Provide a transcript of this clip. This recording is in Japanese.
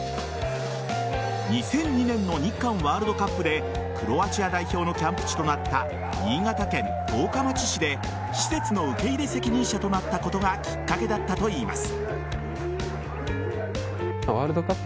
２００２年の日韓ワールドカップでクロアチア代表のキャンプ地となった新潟県十日町市で施設の受け入れ責任者となったことがきっかけだったといいます。